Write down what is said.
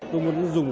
tôi muốn dùng